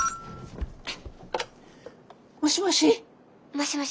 ☎もしもし。